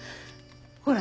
ほら。